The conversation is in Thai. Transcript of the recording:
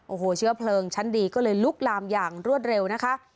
โอ้โหเชื้อเพลิงชั้นดีก็เลยลุกลามอย่างรวดเร็วนะคะ